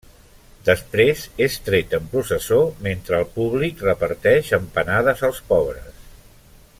Després és tret en processó mentre el públic reparteix empanades als pobres.